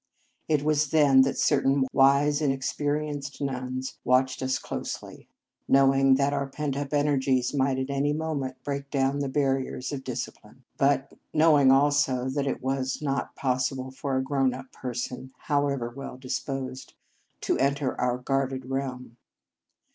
It was then that certain wise and experienced nuns watched us closely, knowing that our pent up energies might at any moment break down the barriers of discipline; but knowing also that it was not pos sible for a grown up person, however well disposed, to enter our guarded realm.